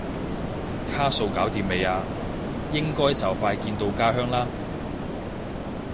卡數搞掂未啊？應該就快見到家鄉啦？